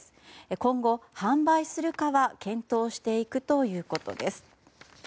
今後、販売するかは検討していくということです。